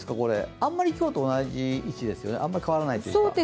今日と同じ位置ですね、あまり変わらないというか。